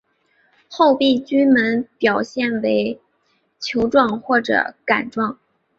厚壁菌门表现为球状或者杆状。